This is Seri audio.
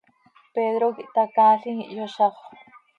Pedro quih htacaalim, ihyozaxö.